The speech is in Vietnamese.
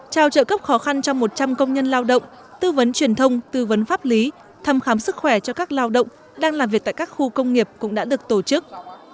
trao trợ cấp khó khăn cho một trăm linh công nhân lao động tư vấn truyền thông tư vấn pháp lý thăm khám sức khỏe cho các lao động đang làm việc tại các khu công nghiệp cũng đã được tổ chức